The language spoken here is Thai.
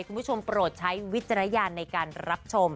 คุณผู้ชมโปรดใช้วิจารณ์ในการรับชม